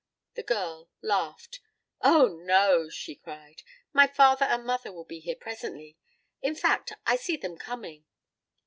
The girl laughed. "Oh, no," she cried. "My father and mother will be here presently; in fact, I see them coming."